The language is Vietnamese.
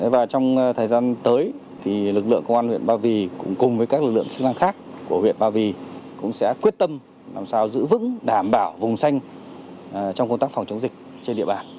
và trong thời gian tới lực lượng công an huyện ba vì cùng với các lực lượng chức năng khác của huyện ba vì cũng sẽ quyết tâm làm sao giữ vững đảm bảo vùng xanh trong công tác phòng chống dịch trên địa bàn